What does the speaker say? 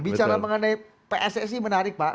bicara mengenai pssi menarik pak